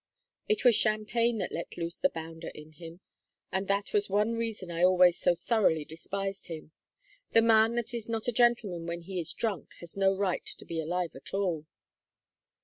It was champagne that let loose the bounder in him, and that was one reason I always so thoroughly despised him: the man that is not a gentleman when he is drunk has no right to be alive at all.